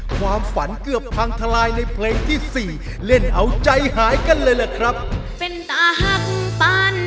ความฝันเกือบพังทลายในเพลงที่สี่เล่นเอาใจหายกันเลยแหละครับ